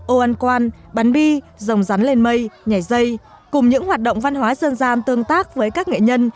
ô ăn quan bắn bi rồng rắn lên mây nhảy dây cùng những hoạt động văn hóa dân gian tương tác với các nghệ nhân